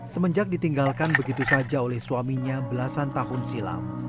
semenjak ditinggalkan begitu saja oleh suaminya belasan tahun silam